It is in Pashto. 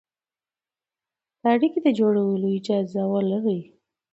د اړيکې د جوړولو اجازه ولري،